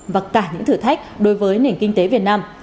và cả những thử thách đối với nền kinh tế việt nam